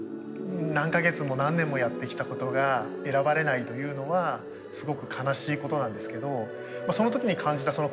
何か月も何年もやってきたことが選ばれないというのはすごく悲しいことなんですけどその時に感じた